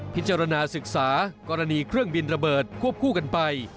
พิจารณาศึกษากรณีเครื่องบินระเบิดควบคู่กันไป